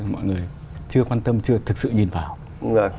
mà chúng ta chưa thực sự nhìn vào